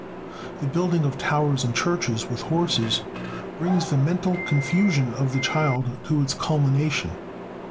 The building of towers and churches with horses brings the mental confusion of the child to its culmination.